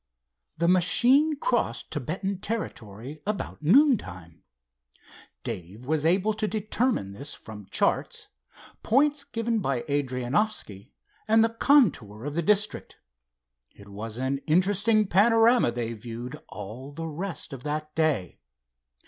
The machine crossed Thibetan territory about noon time. Dave was able to determine this from charts, points given by Adrianoffski, and the contour of the district. It was an interesting panorama they viewed all the rest of that day.